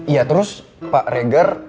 ya terus pak regar